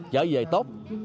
trở về tốt